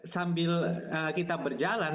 sambil kita berjalan